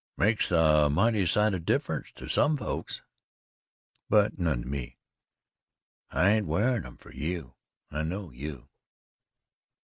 "It makes a mighty sight o' difference to some folks." "But none to me." "I hain't wearin' 'em fer you. I know YOU."